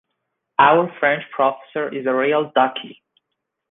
Our French professor is a real duckie.